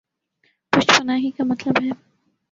پشت پناہی کامطلب ہے۔